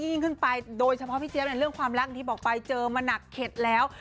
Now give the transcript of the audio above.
ยิ่งขึ้นไปโดยเฉพาะพี่เจี๊ยบเนี่ยเรื่องความรักอย่างที่บอกไปเจอมาหนักเข็ดแล้ว